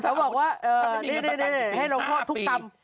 ก็บอกว่านี่ให้ลงโทษทุกตำ